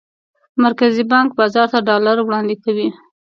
مرکزي بانک بازار ته ډالر وړاندې کوي.